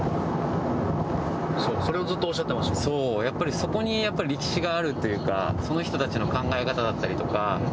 そこにやっぱり歴史があるというかその人たちの考え方だったりとか。